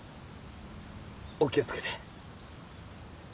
お気を付けて。